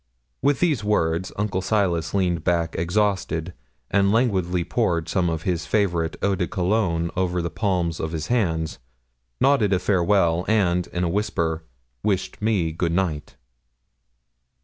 With these words Uncle Silas leaned back exhausted, and languidly poured some of his favourite eau de cologne over the palms of his hands, nodded a farewell, and, in a whisper, wished me good night.